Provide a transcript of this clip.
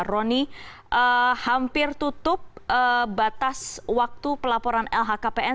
roni hampir tutup batas waktu pelaporan lhkpn